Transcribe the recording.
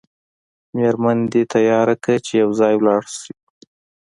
میرمن دې تیاره کړه چې یو ځای ولاړ شئ.